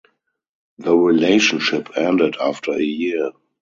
The relationship ended after a year.